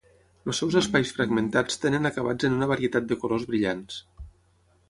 Els seus espais fragmentats tenen acabats en una varietat de colors brillants.